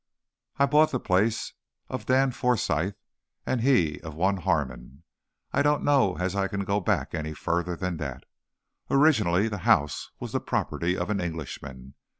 "I bought the place of Dan Forsyth, and he of one Hammond. I don't know as I can go back any further than that. Originally the house was the property of an Englishman.